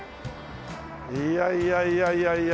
いやいやいやいやいや。